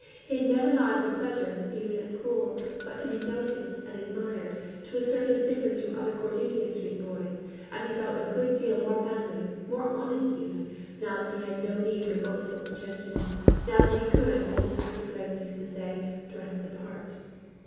He had never lied for pleasure, even at school; but to be noticed and admired, to assert his difference from other Cordelia Street boys; and he felt a good deal more manly, more honest, even, now that he had no need for boastful pretensions, now that he could, as his actor friends used to say, "dress the part."